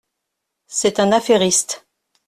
C’est un affairiste.